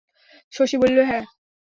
শশী বলিল, হ্যা।